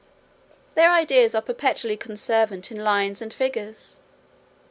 Their ideas are perpetually conversant in lines and figures.